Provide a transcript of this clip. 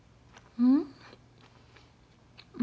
うん！